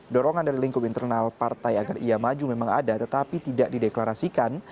dorongan dari lingkup internal partai agar ia maju memang ada tetapi tidak dideklarasikan